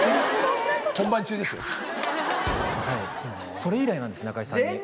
それ以来なんです中居さんに。